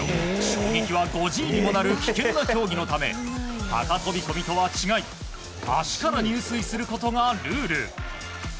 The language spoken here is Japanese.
衝撃は５Ｇにもなる危険な競技のため高飛込とは違い足から入水することがルール。